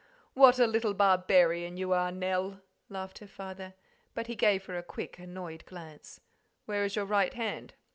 "What a little barbarian you are, Nell!" laughed her father; but he gave her a quick, annoyed glance. "Where is your right hand?"